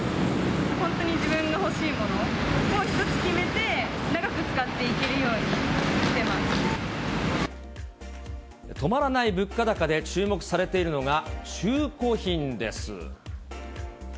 本当に自分の欲しいものを一つ決めて、長く使っていけるよう止まらない物価高で注目されているのが、中古品です。